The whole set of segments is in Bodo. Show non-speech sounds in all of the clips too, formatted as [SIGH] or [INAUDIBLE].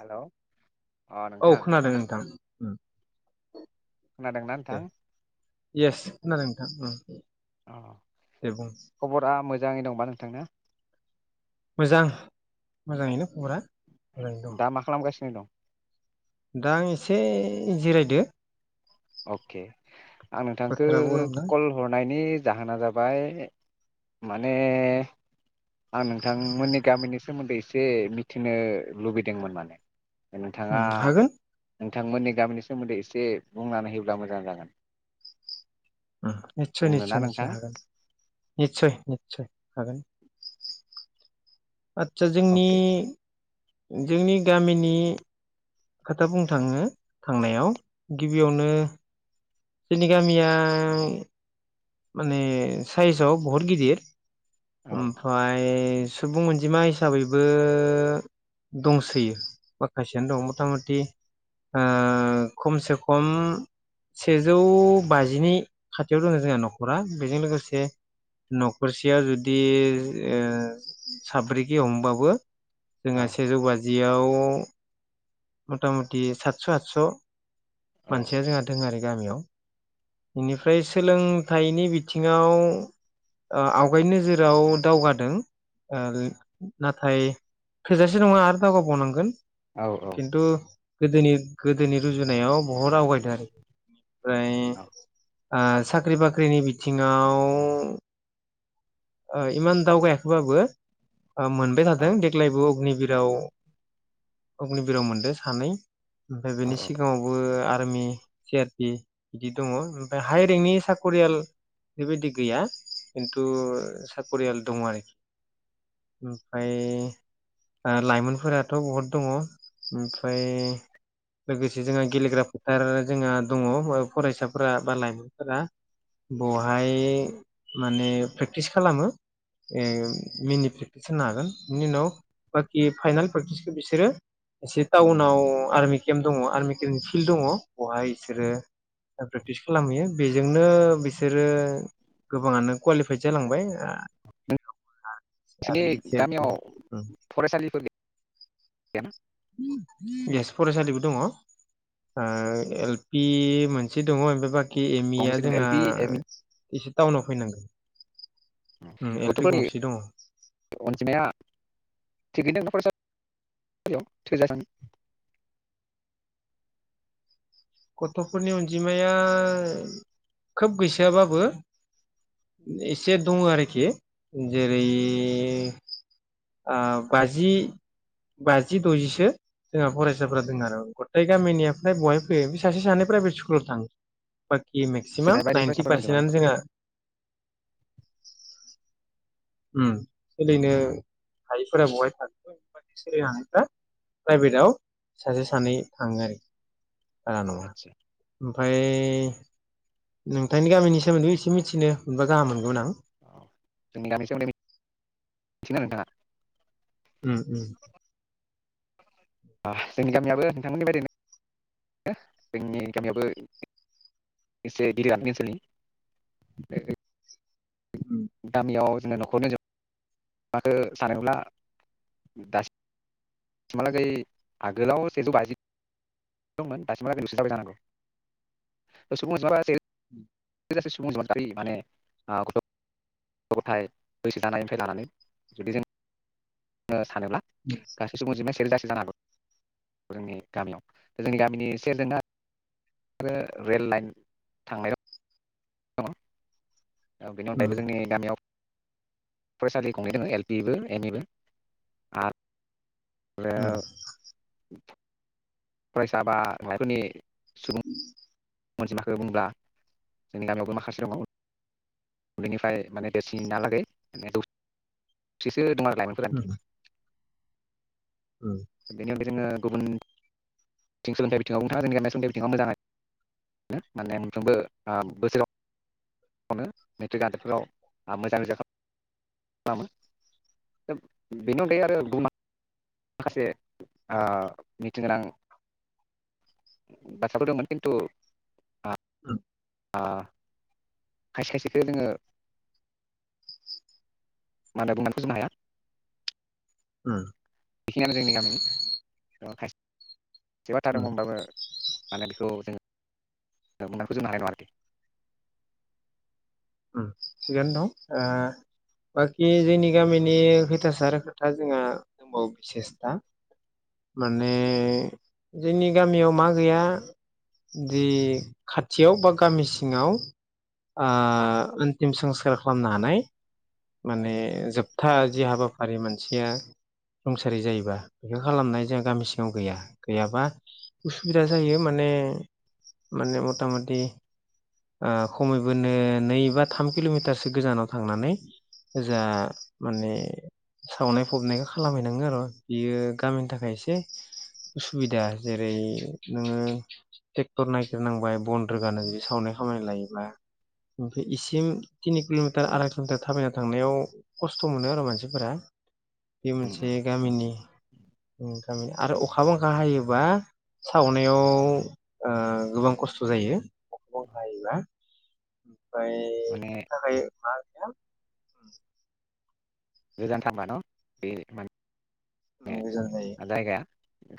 हेलौ अ औ नोंथां खोनादों नोंथां ओं खोनादोंना नोंथां? इयेस खोनादों नोंथां उम औ दे बुं खबरा मोजाङै दंबा नोंथांना? मोजां मोजाङैनो खबरा मोजाङैनो दा दं मा खालामगासिनो सिनो दं दा आं एसे जिरायदो अके आं नोंथांखौ बोथोराबो गरम ना कल हरनायनि जाहोना जाबाय माने आं नोंथांमोननि गामिनि सोमोन्दै एसे मिथिनो लुबैदोंमोन माने उम नोंथाङा हागोन [UNINTELLIGIBLE] नोंथांमोननि गामिनि सोमोन्दै एसे बुंनानै होयोब्ला मोजां जागोन? नितसय बुंनोना नितसय निसय नोंथां हागोन नितसय नितसय हागोन आदसा जोंनि अके जोंनि गामिनि खोथा बुंनो थाङो थांनायाव गिबियावनो जोंनि गामिया माने सायसाव बहुत गिदिर औ ओमफ्राय सुबुं अनजिमा हिसाबैबो दंसोयो माखासेयानो दं मथा मथि ओ खमसे खम सेजौ बाजिनि खाथियाव दङ जोंहा नखर रा बेजों लोगोसे नखरसेया जुदि साब्रैखि हमबाबो औ जोंङहा सेजौ बाजि बियाव मथ मथि सतस आतस औ मानसिया जोंहा दों आरो गामियाव बेनिफ्राय सोलोंथाइनि बिथिङाव ओ आवगायनि नोजोराव दावगादों ओ नाथाय थोजासे नङा आरो दावगाबावनांगोन औ खिथु गोदोनि गोदोनि रुजुनायाव बहत आवगायदों आरो ओफ्राय आ-साख्रि बाख्रिनि बिथिङाव इमान दावगायाखैबाबो मोनबाय औ थादों देग्लायबो अगनि जेराव अग्निबिराव मोनदों सानै ओमफ्राय बेनि औ सिगाङावबो आर आरमि सि आर पि बिदि दङ ओमफ्राय हाइ रेंकनि साख'रियाल बेबायदि गैया खिन्थु साख'रियाल दङ आरोखि ओमफ्राय लाइमोनफोराथ' बहुत दङ ओमफ्राय लोगोसे जोंहा गेलेग्रा फोथार जोंहा दङ फरायसाफोरा बा लायमोनफोरा बहाय माने प्रेक्टिस खालामो मिनि प्रेक्टिस होनो हागोन बिनि उनाव बाखि फाइनाल प्रेकटिसखौ बिसोरो एसे टाउनाव आर्मि केम्प दङ आर्मि केम्प फिल्ड दङ बेवहाय बिसोरो प्रेक्टिस खालामहैयो बेजोंनो बिसोरो गोबाङानो कुवालिफाइद जालांबाय जोंनि आर्मि सि आर गामियाव पि फरायसालिफोर गै-गैया येस फरायसालिबो दङ आ एल पि मोनसे दङ ओमफ्राय बाखि कि एम इ गंबेसे आ दं एल जोंहा पि एम इ एसे टाउनाव फैनांगोन उम एल पि गथ'फोरनि गंसे दङ अनजिमाया थिगैनो दं फरायसा [INAUDIBLE] गथ'फोरनि अनजिमाया खोब गैसोआबाबो एसे दङ आरोखि जेरै आ-बाजि बाजि द'जिसो जोंहा फरायसाफ्रा दङ आरो गथाय गामिनिया फ्राय बहाय बे सासे सानै प्राइभेट स्कुलाव थाङो कि सोनाय मेक्सिमाम बायदि नाइनटि फरायसाफोरनि अनजिमा दं पारसेन्टआनो जोंहा उम सोलिनो हायैफोरा बेहाय [INAUDIBLE] सोलिनो हानायफ्रा प्राइभेटाव सासे सानै थाङो आरोखि बारा नङा आदसा ओमफ्राय नोंथांनि गामिनि सोमोन्दै एसे मिथिनो मोनबा गाहाम मोनगौमोन आं औ जोंनि गामिनि सोमोन्दै मिथिनो नोंथाङा उम-उम आ-जोंनि गामियाबो नोंथांमोननि बादिनो जोंनि गामियाबो एसे गिदिर गामि बे ओनसोलनि गामियाव जोंहा न'खरनो जुब माखौ सानोब्ला दासिम दासिमहालागै आगोलाव सेजौ बाजि दंमोन दासिमहालागै नुसिनबाय जानांगौ सुबुं [INAUDIBLE] [UNINTELLIGIBLE] गथ' गथाय बैसो जानायनिफ्राय लानानै जुदि जों [UNINTELLIGIBLE] सानोब्ला गासै सुबुं अनजिमाया [UNINTELLIGIBLE] जानो हागौ। जोंनि गामियाव जोंनि गामिनि सेरजोंनो आरो रेल लाइन थांनायाव दङ'। औ बेनि उम अनगायैबो जोंनि गामियाव फरायसालि गंनै दोङो एल पिबो एम इबो आ रो उम फरायसा बा बेफोरनि सुबुं अनजिमाखो बुंब्ला जोंनि गामियावबो माखासे दङ'। उन्दैनिफ्राय माने देरसिनालागै माने जौसेसो दं आरो लाइमोनफोरानथि उम बेनि अनगायै जोङो गुबुनथिं सोलोंथाइ बिथिङाव [UNINTELLIGIBLE] सोलोंथाइ बिथिङाव मोजां आरो माने मोनफ्रोमबो ओ बोसोराव नो मेट्रिक आनजादफोराव मोजां रिजाल खालामो बेनि अनगायै आरो बु़ं माखासे ओ मिथिनो गोनां बाथ्राफोर दंमोन। खिन्थु [UNINTELLIGIBLE] ओ खायसे खायसेखो जोङो मा होनो बुंनानै फोजोबनो हाया। उम। बेखिनियानो जोंनि गामिनि। दा खाय से बाथ्रा उम दंमोनबाबो माने बेखौ जोङो बुंना फोजोबनो हानाय नङा आरोखि। उम थिगानो दं। ओ बाखि जोंनि गामिनि खैथासार खोथा जोंहा दंबावो बिसेसथा। माने जोंनि गामियाव मा गैया। जि खाथियाव बा गामि सिङाव आ अनतिम संस्कार खालामनो हानाय माने जोबथा जि हाबाफारि मानसिया रुंसारि जायोबा बेखौ खालामनाय जोंआ गामि सिङाव गैया। गैयाबा उसुबिदा जायो माने मता मति ओ खमैबोनो नै बा थाम किलमिटारसो गोजानाव थांनानै जा माने सावनाय फबनायखौ खालामहैनांगो र'। बियो गामिनि थाखाय एसे उसुबिदा। जेरै नोङो टेक्टर नायगिरनांबाय बन रोगानो जुदि सावनाय खामानि लायोबा। बे इसिम तिनि किलमिटार उम आराय किलमिटार थाबायना थांनायाव खस्थ' मोनो आरो मानसिफोरा। बे उम मोनसे उम गामिनि उम गामिनि आरो अखा बांखा हायोबा सावनायाव ओ गोबां खस्थ जायो। अखा बांखा हायोबा उम। ओमफ्राय माने बिनि थाखाय मा गैया? उम। गोजान थां बा न' बे माने उम गोजान जायो। जायगाया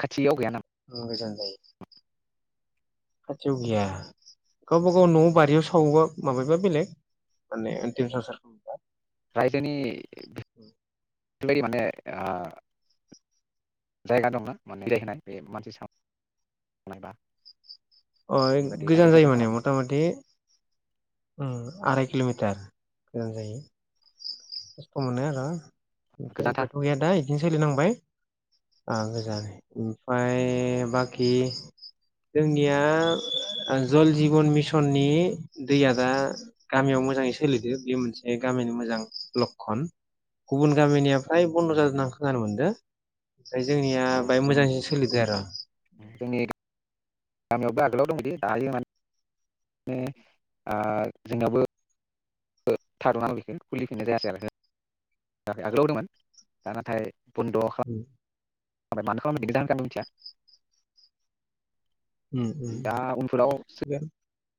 खाथियाव गैया ना। ओ गोजान जायो। खाथियाव गैया। गावबागाव नामा नआव बारियाव सावोबा। माबेबा बेलेग माने अन्तिम संस्कार रायजोनि बेबायदि माने ओ जायगा दङ माने बे मानसि सावनाय बा अ बेबायदि गोजान आथिं जायो संसार माने खालामनाय मथा मथि आराय किल'मिटार गोजान जायो खस्थ' मोनो आरो। गोजाथार [UNINTELLIGIBLE] सोलिनांबाय ओ गोजान ओमफ्राय बाखि जोंनिया जल जिबन मिसननि दैया दा गामियाव मोजाङै सोलिदो बे मोनसे गामिनि मोजां लकन गुबुन गामिनिया फ्राय बन्द' जादों आं खोनानो मोनदों। ओमफ्राय जोंनिया औ बाय जों मोजांसिन सोलिदों आरो। जोंनि गामियावबो आगोलाव दंदि दायो माने [UNINTELLIGIBLE] [UNINTELLIGIBLE] [UNINTELLIGIBLE] दा उनफोराव [UNINTELLIGIBLE]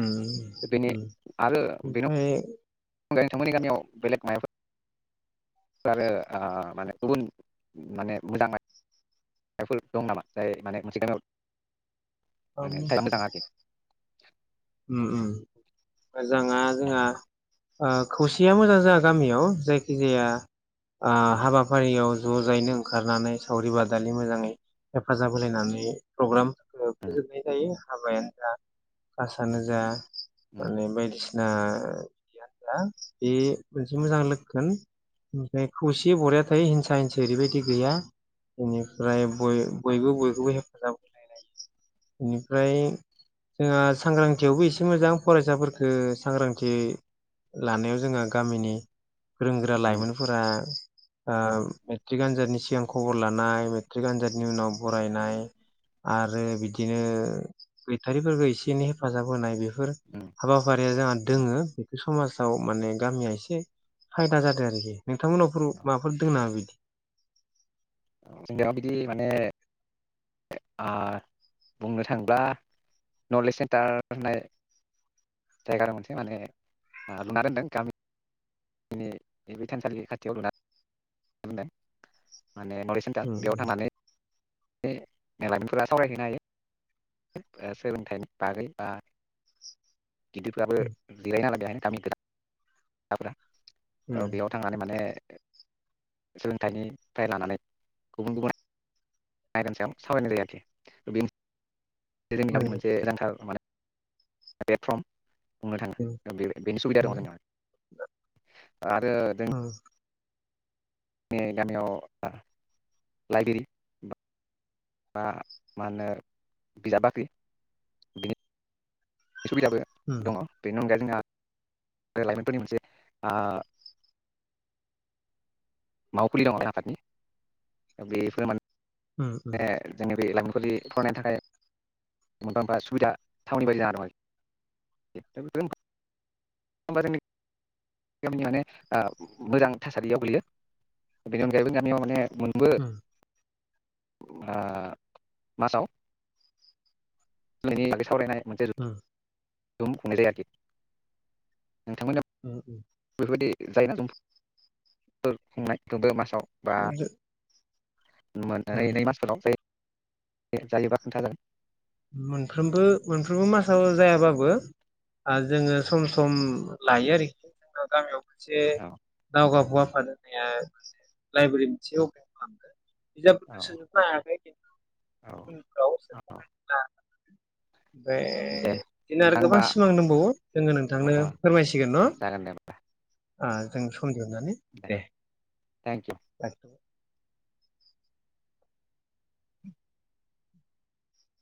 उम उम ओमफ्राय [UNINTELLIGIBLE] [UNINTELLIGIBLE] [UNINTELLIGIBLE] उम उम मोजाङा जोंहा ओ खौसेया मोजां जा गामियाव जायखिजाया आ उम हाबाफारियाव ज'जायैनो ओंखारनानै सावरि बादालि मोजाङै हेफाजाब होलायनानै प्रग्राम। फोजोबनाय जायो। [UNINTELLIGIBLE] क्लासानो उम जा उम माने बा [UNINTELLIGIBLE] मोनसे मोजां [UNINTELLIGIBLE] ओमफ्राय खौसेै बरया थायो हिंसा हिंसा ओरैबायदि गैया बेनिफ्राय बयबो बयखौबो हेफाजाब बेनिफ्राय जोंहा सांग्रांथियावबो एसे मोजां फरायसाफोरखौ सांग्रांथि लानायाव जोंहा गामिनि गोरों गोरा उम लाइमोनफोरा ओ मेट्रिक आनजादनि सिगां खबर लानाय मेट्रिक आनजादनि उनाव बरायनाय आरो बिदिनो गैथारिफोरखौ एसे एनै हेफाजाब होनाय उम उम हाबाफारिया [UNINTELLIGIBLE] दोङो बेखौ समाजाव माने गामिया एसे खायदा जादों आरोखि। नोंथांमोननावफोर माबाफोर दोङो नामा बिदि? जोंनियाव बिदि माने ओ बुंनो थाङोब्ला नलेज सेन्टार होननाय जायगा आरो मोनसे माने लुना दोनदों गामि जोंनि बे थानसालि खाथियाव लुना [UNINTELLIGIBLE] माने नलेज सेन्टार उम बेयाव थांनानै बे [UNINTELLIGIBLE] सावरायहैनो हायो। सोलोंथायनि बागै बा गिदिरफोराबो जिरायना [UNINTELLIGIBLE] [UNINTELLIGIBLE] उम थ' बेयाव थांनानै माने सोलोंथाइनिफ्राय लानानै गुबुन गुबुन नायगान सायाव सावरायनाय जायो आरोखि बेनो बे जोंनि गामिनि उम मोनसे गोनांथार माने प्लेटफ्रम बुंनो थाङो बे बेनि सुबिदा दङ जों आरो उम जोंनि गामियाव लाइब्रेरि बा मा होनो बिजाब बाख्रि बि सुबिदाबो दङ बेनि अनगायै जोंना लाइमोनफोरनि मोनसे ओ मावखुलि दङ आफादनि बेफोर माने उम [UNINTELLIGIBLE] [UNINTELLIGIBLE] फरायनायनि थाखाय मोनफा मोनफा सुबिदा थावनि बायदि जाना दं आरो बेनो होमबा जोंनि गामिनि माने मोजां थासारियाव गोग्लैयो बेनि अनगायैबो गामियाव माने मोनबो उम [UNINTELLIGIBLE] मासाव दिनैनि बे सावरायनाय मोनसे उम जुम खुंनाय जायो आरोखि। नोंथांमोना उम बेफोरबायदि जायना दं खुंनाय दब मासाव बा उम [UNINTELLIGIBLE] दे जायोबा खोन्थागोन। मोनफ्रोमबो मोनफ्रोमबो मासाव जायाबाबो ओ जोङो सम सम लायो आरोखि जों गामियाव। मोनसे औ गाव गावखौ आफाद होनाया लाइब्रेरि मोनसे अपेन खालामदों। औ बिजाबफोरखौ सोजोबनो हायाखै खिन्थु औ उनफ्राव औ सोजाख [UNINTELLIGIBLE] द ओमफ्राय दे बिदिनो आरो नोंथां गोबां होमबा सिमां दंबावो जोङो नोंथांनो फोरमायसिगोन दे जागोन दे होमबा न जों सम दिहुननानै दे थेंक इउ लाखिथबाय [UNINTELLIGIBLE]